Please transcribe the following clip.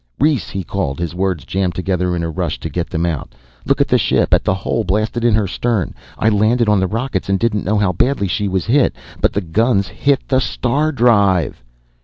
"Rhes," he called, his words jammed together in the rush to get them out. "Look at the ship, at the hole blasted in her stern. I landed on the rockets and didn't know how badly she was hit. But the guns hit the star drive!"